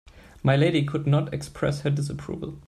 My lady could not express her disapproval.